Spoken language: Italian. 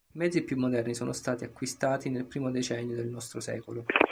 I mezzi più moderni sono stati acquistati nel primo decennio del nostro secolo.